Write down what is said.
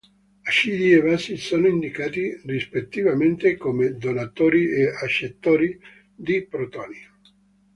Acidi e basi sono indicati rispettivamente come donatori e accettori di protoni.